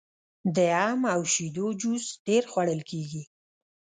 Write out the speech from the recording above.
د ام او شیدو جوس ډیر خوړل کیږي.